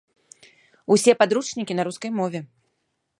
Усе падручнікі на рускай мове.